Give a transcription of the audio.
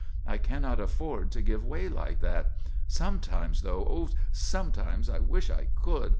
I cannot afford to give way like that. Sometimes, though! Oh, sometimes I wish I could!